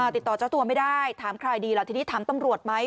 ติดต่อเจ้าตัวไม่ได้ถามใครดีล่ะทีนี้ถามตำรวจไหม